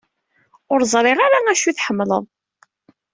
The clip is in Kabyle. Ur ẓṛiɣ ara acu i tḥemmleḍ.